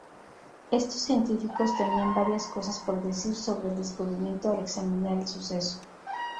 Estos científicos tenían varias cosas por decir sobre el descubrimiento al examinar el suceso.